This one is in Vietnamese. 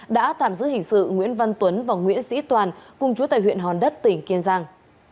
đã tạm giữ hình sự nguyễn văn tuấn và nguyễn sĩ toàn cùng chú tại huyện hòn đất tỉnh kiên giang